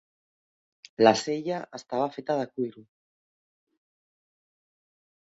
La sella estava feta de cuiro.